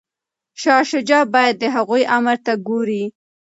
شاه شجاع باید د هغوی امر ته ګوري.